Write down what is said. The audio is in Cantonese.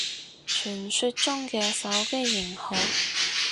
傳說中嘅手機型號